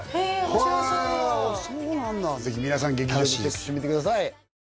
楽しいです劇場でチェックしてみてください